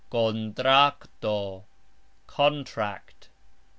kontrakto : contract.